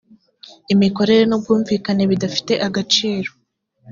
imikorere n ubwumvikane bidafite agaciro